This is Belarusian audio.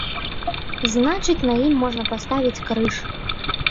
Значыць, на ім можна паставіць крыж.